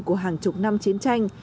của hàng chục năm chiến tranh